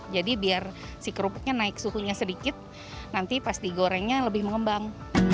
jadi biar si kerupuknya naik suhunya sedikit nanti pas digorengnya lebih mengembang